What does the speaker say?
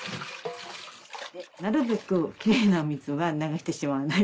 なるべくキレイな水は流してしまわない。